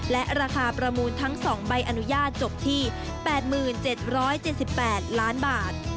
และราคาประมูลทั้ง๒ใบอนุญาตจบที่๘๗๗๘ล้านบาท